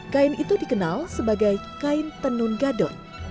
kain itu dikenal sebagai kain tenun gadot